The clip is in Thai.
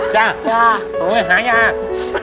จ้ะโอ้ยหายาก